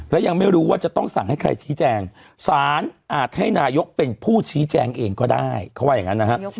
และยังไม่รู้ว่าจะต้องสั่งให้ใครชี้แจงสารอาจให้นายกเป็นผู้ชี้แจงเองก็ได้เขาว่าอย่างนั้นนะครับ